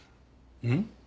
うん？